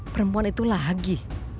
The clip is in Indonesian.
perempuan itu lagi